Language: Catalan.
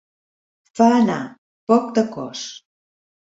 Fa anar poc de cos.